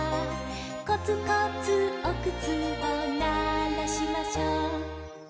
「コツコツお靴をならしましょう」